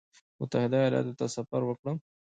متحده ایالاتو ته سفر وکړم.